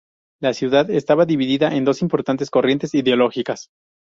La ciudad estaba dividida en dos importantes corrientes ideológicas.